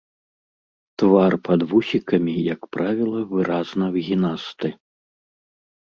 Твар пад вусікамі, як правіла, выразна выгінасты.